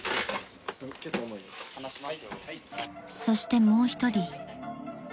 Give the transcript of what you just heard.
［そしてもう一人］